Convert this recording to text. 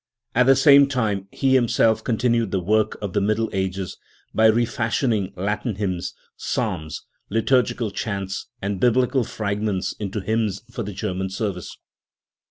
At the same time he himself continued the work of the Middle Ages by re fashioning Latin hymns, psalms, liturgical chants and biblical frag ments into hymns for the German service.